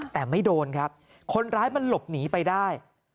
แต่ไม่โดนครับคนร้ายมันหลบหนีไปได้